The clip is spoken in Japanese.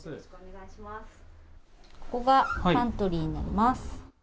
ここがパントリーになります。